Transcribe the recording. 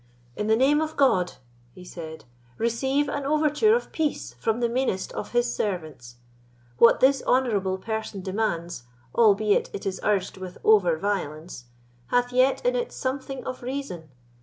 "In the name of God," he said, "receive an overture of peace from the meanest of His servants. What this honourable person demands, albeit it is urged with over violence, hath yet in it something of reason.